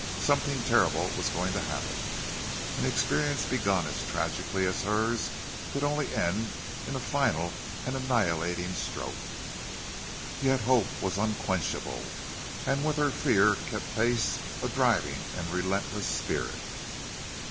Something terrible was going to happen. An experience begun as tragically as hers could only end in a final and annihilating stroke. Yet hope was unquenchable, and with her fear kept pace a driving and relentless spirit.